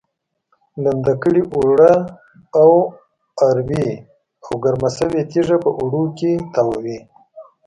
لمده کړې اوړه اواروي او ګرمه شوې تیږه په اوړو کې تاووي.